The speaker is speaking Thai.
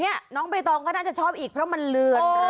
นี่น้องใบตองก็น่าจะชอบอีกเพราะมันเลือน